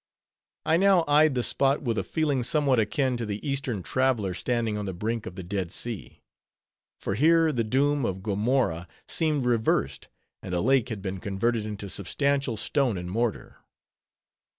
I now eyed the spot with a feeling somewhat akin to the Eastern traveler standing on the brink of the Dead Sea. For here the doom of Gomorrah seemed reversed, and a lake had been converted into substantial stone and mortar.